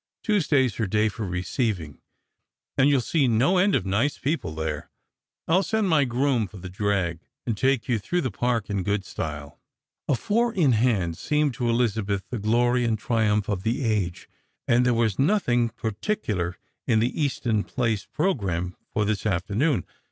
Tuesday's her day for receiving, and you'll see no end of nice people there. I'll send my groom for the drag, and take you through the Park in good style." A four in hand seemed to Elizabeth the glory and triumph of the age; and there was nothing particular in the Eaton place programme for this afternoon.